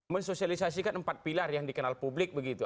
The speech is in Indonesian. mensosialisasikan empat pilar yang dikenal publik begitu